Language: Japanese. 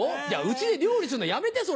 うちで料理するのやめて。